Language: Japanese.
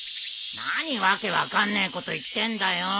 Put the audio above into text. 何訳分かんねえこと言ってんだよ。